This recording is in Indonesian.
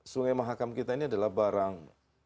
sungai mahakam kita ini adalah barang